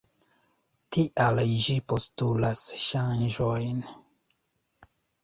Tial ĝi postulas ŝanĝojn.